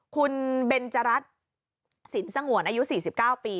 คุณเบนจรัสสินสงวนอายุ๔๙ปี